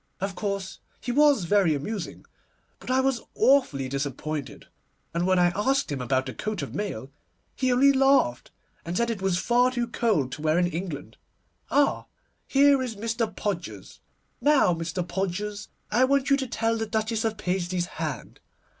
Of course, he was very amusing, and all that, but I was awfully disappointed; and when I asked him about the coat of mail, he only laughed, and said it was far too cold to wear in England. Ah, here is Mr. Podgers! Now, Mr. Podgers, I want you to tell the Duchess of Paisley's hand.